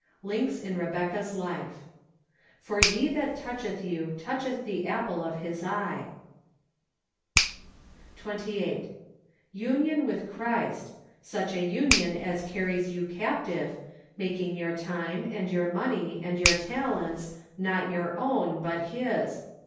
Links in Rebecca's Life. " For he that touclieth you toucheth the apple of his eye." 108 SEPTEMBER. 28. Union with Christ; such a union as carries you captive — making your time, and your money, and your talents, not your own, but His.